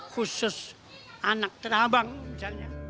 khusus anak terabang misalnya